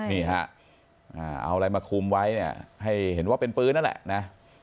เอาอะไรมาคุมไว้ให้เห็นว่าเป็นปืนนั่นแหละ